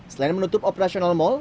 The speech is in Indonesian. selain menutup operasional mall